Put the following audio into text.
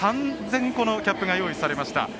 ３０００個のキャップが用意されました。